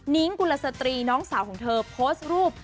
กุลสตรีน้องสาวของเธอโพสต์รูป